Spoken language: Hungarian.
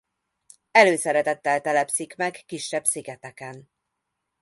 Előszeretettel telepszik meg kisebb szigeteken.